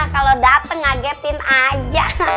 kalau dateng ngagetin aja